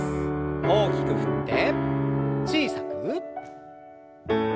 大きく振って小さく。